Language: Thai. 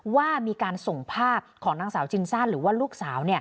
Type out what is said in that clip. ว่ามีการส่งภาพของนางสาวจินซ่าหรือว่าลูกสาว